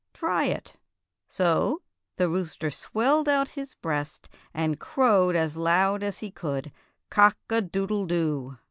"Try it." So the rooster swelled out his breast and crowed as loud as he could, "Cock a doodle do."